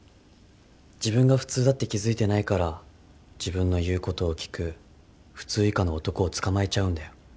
自分が普通だって気付いてないから自分の言うことを聞く普通以下の男を捕まえちゃうんだよ。